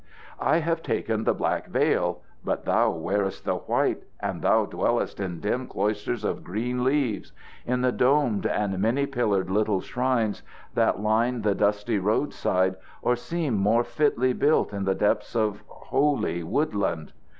"I have taken the black veil, but thou wearest the white, and thou dwellest in dim cloisters of green leaves in the domed and many pillared little shrines that line the dusty road side, or seem more fitly built in the depths of holy woodlands.